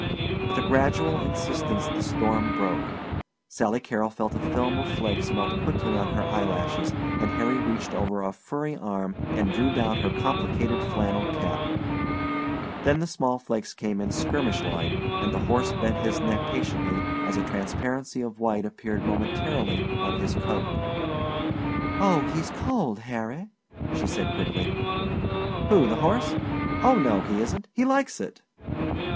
With a gradual insistence the storm broke. Sally Carrol felt a film of flakes melt quickly on her eyelashes, and Harry reached over a furry arm and drew down her complicated flannel cap. Then the small flakes came in skirmish line, and the horse bent his neck patiently as a transparency of white appeared momentarily on his coat. "Oh, he's cold, Harry," she said quickly. "Who? The horse? Oh, no, he isn't. He likes it!"